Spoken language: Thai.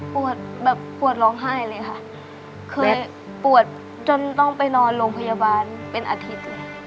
แบบปวดร้องไห้เลยค่ะเคยปวดจนต้องไปนอนโรงพยาบาลเป็นอาทิตย์เลย